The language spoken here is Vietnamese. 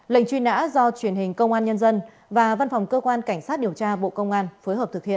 lệnh truy nã do truyền hình công an nhân dân và văn phòng cơ quan cảnh sát điều tra bộ công an phối hợp thực hiện